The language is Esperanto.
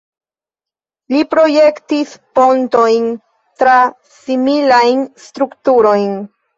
Li projektis pontojn kaj similajn strukturojn.